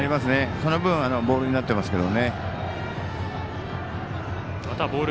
その分、ボールになってますけど。